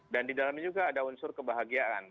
dan di dalamnya juga ada unsur kebahagiaan